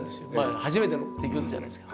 初めての出来事じゃないですか。